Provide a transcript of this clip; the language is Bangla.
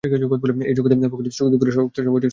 এই জগতে প্রকাশিত সুখদুঃখের শক্তিসমষ্টি সর্বদাই সমান।